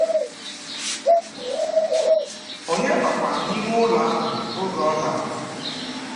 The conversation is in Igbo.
onye nọkwa n'ime ụlọ ahụ oge ọ dara